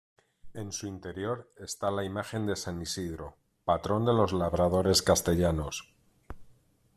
En su interior está la imagen de san Isidro, patrón de los labradores castellanos.